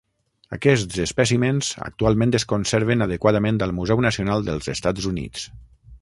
Aquests espècimens actualment es conserven adequadament al Museu Nacional dels Estats Units.